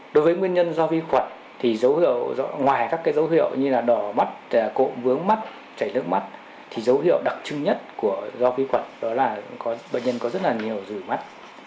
đối với nguyên nhân do vi khuẩn thì dấu hiệu ngoài các dấu hiệu như là đỏ mắt cộm vướng mắt chảy nước mắt thì dấu hiệu đặc trưng nhất do vi khuẩn đó là bệnh nhân có rất là nhiều rủi mắt